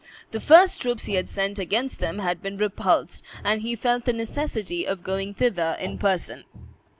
The first troops he had sent against them had been repulsed; and he felt the necessity of going thither in person.